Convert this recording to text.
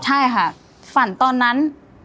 ใช่ค่ะฝันตอนนั้น